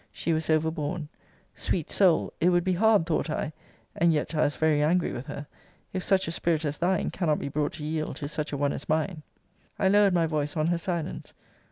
She was overborne. Sweet soul! It would be hard, thought I, [and yet I was very angry with her,] if such a spirit as thine cannot be brought to yield to such a one as mine! I lowered my voice on her silence.